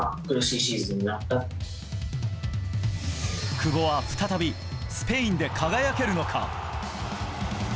久保は再びスペインで輝けるのか？